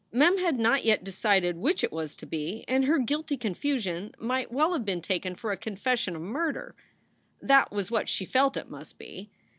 Mem had not yet decided which it was to be, and her guilty confusion might well have been taken for a confession of murder. That was what she felt it must be.